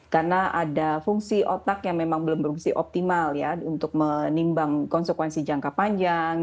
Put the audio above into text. karena ada fungsi otak yang memang belum berfungsi optimal ya untuk menimbang konsekuensi jangka panjang